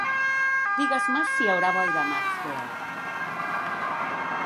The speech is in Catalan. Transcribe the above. Digues-me si hi haurà boira a Maxwell